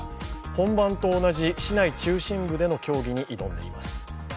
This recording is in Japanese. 本番と同じ市内中心部の競技に挑んでいます。